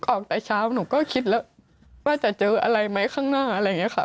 ออกแต่เช้าหนูก็คิดแล้วว่าจะเจออะไรไหมข้างหน้า